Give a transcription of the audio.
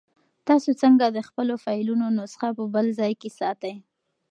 تاسو څنګه د خپلو فایلونو نسخه په بل ځای کې ساتئ؟